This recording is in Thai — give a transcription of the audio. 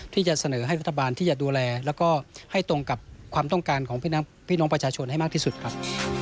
ที่จะเสนอให้รัฐบาลที่จะดูแลแล้วก็ให้ตรงกับความต้องการของพี่น้องประชาชนให้มากที่สุดครับ